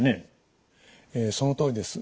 そのとおりです。